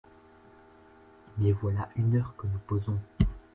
Mais voilà une heure que nous posons !